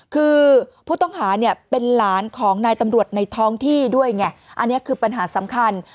คือผู้ต้องหาเนี่ยเป็นหลานของนายตำรวจในท้องที่ด้วยไงอันนี้คือปัญหาสำคัญ